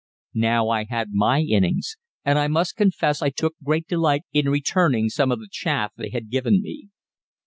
Now I had my innings, and I must confess I took great delight in returning some of the chaff they had given me.